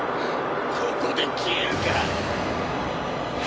ここで消えるか！